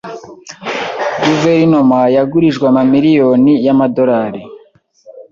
Guverinoma yagurijwe amamiliyoni y’amadolari